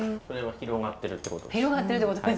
広がってるってことですか。